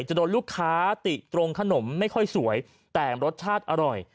จะโดนลูกค้าติตรงขนมไม่ค่อยสวยแต่รสชาติอร่อย